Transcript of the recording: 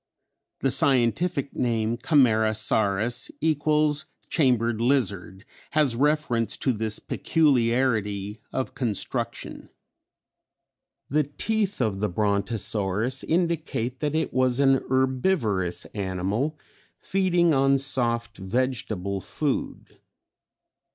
(The scientific name _Camarasaurus_=chambered lizard, has reference to this peculiarity of construction.) "The teeth of the Brontosaurus indicate that it was an herbivorous animal, feeding on soft vegetable food.